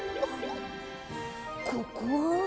ここは？